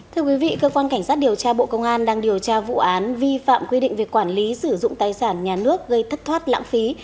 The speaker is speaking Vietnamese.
thưa quý vị cơ quan cảnh sát điều tra bộ công an đang điều tra vụ án vi phạm quy định về quản lý sử dụng tài sản nhà nước gây thất thoát lãng phí